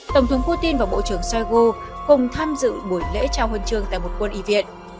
tổng thống putin và bộ trưởng shoigu cùng tham dự buổi lễ trao huân trường tại một quân y viện